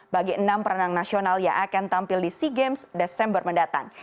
bagi enam perenang nasional yang akan tampil di sea games desember mendatang